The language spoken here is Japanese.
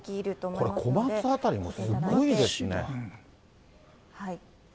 これ、小松辺りもすごいですね。